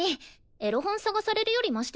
エロ本探されるよりマシでしょ？